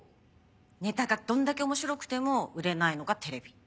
ネタがどんだけ面白くても売れないのがテレビ。